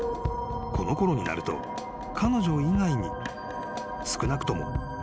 ［このころになると彼女以外に少なくとも］